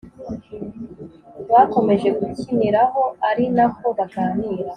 bakomeje gukiniraho ari nako baganira